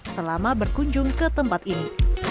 selama berkunjung ke tempat ini